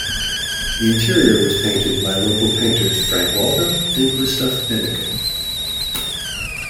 The interior was painted by local painters Frank Waldo and Gustav Behncke.